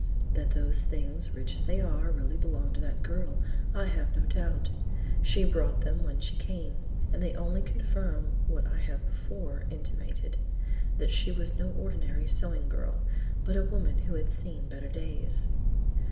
"That those things rich as they are, really belonged to the girl, I have no doubt. She brought them when she came, and they only confirm what I have before intimated: that she was no ordinary sewing girl, but a woman who had seen better days."